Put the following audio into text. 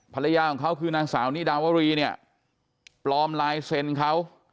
ภรรยาของเขาคือนางสาวนิดาวรีเนี่ยปลอมลายเซ็นเขา